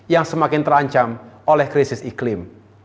yang semakin terancam oleh krisis iklim